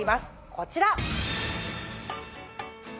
こちら！